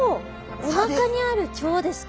おなかにある腸ですか？